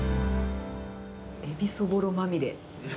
エビそぼろまみれ。